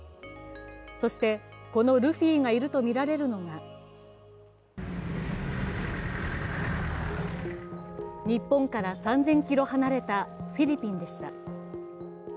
そして、このルフィがいるとみられるのが日本から３０００ｋｍ離れたフィリピンでした。